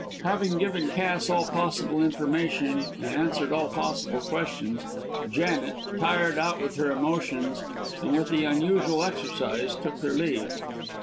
Having given Cass all possible information, and answered all possible questions, Janet, tired out with her emotions, and with the unusual exercise, took her leave.